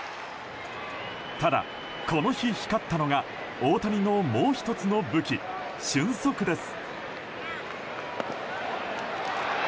ただこの日、光ったのが大谷のもう１つの武器俊足です。